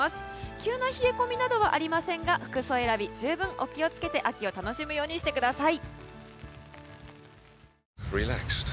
急な冷え込みなどはありませんが服装選び十分、お気をつけて秋を楽しむようにしてください。